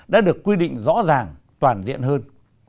đã được quy định rõ ràng toàn diện hơn